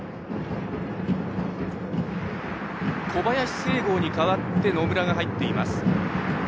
小林成豪に代わって野村が入っています。